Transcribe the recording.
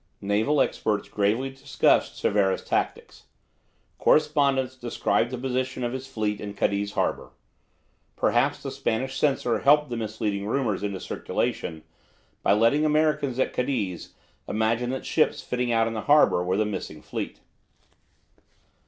Naval experts gravely discussed Cervera's tactics. Correspondents described the position of his fleet in Cadiz harbour. Perhaps the Spanish censor helped the misleading rumours into circulation by letting Americans at Cadiz imagine that ships fitting out in the harbour were the missing fleet.